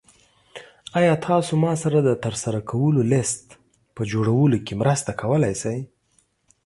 ایا تاسو ما سره د ترسره کولو لیست په جوړولو کې مرسته کولی شئ؟